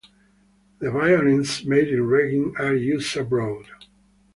The violins made in Reghin are used abroad.